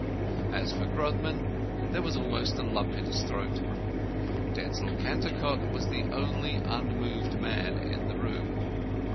As for Grodman, there was almost a lump in his throat. Denzil Cantercot was the only unmoved man in the room.